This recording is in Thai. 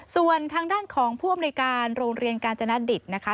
ส่วนทางด้านของผู้อำนวยการโรงเรียนกาญจนดิตนะคะ